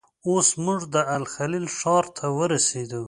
اوس موږ د الخلیل ښار ته ورسېدو.